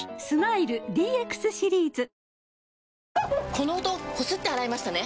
この音こすって洗いましたね？